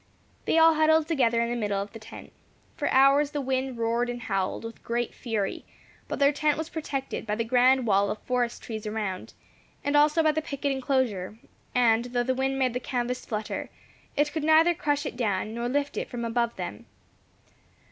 They all huddled together in the middle of the tent. For hours the wind roared and howled with great fury, but their tent was protected by the grand wall of forest trees around, and also by the picket enclosure; and though the wind made the canvas flutter, it could neither crush it down nor lift it from above them.